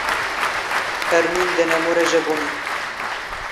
ⴰⵔⵎⵉⵏ ⴷ ⴰⵏⴰⵎⵓⵔ ⴰⵊⴰⴱⵓⵏⵉ..